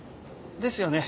ですよね。